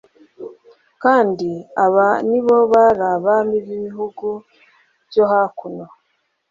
kandi aba ni bo bari abami b'ibihugu byo hakuno